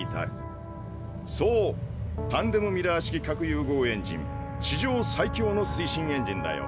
そうタンデム・ミラー式核融合エンジン史上最強の推進エンジンだよ。